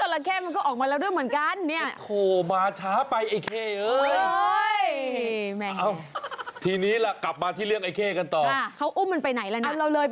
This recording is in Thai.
หมายถึงว่าเจาระเข้มันออกไปแล้ว